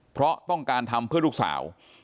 เพราะต้องการทำเพื่อลูกสาว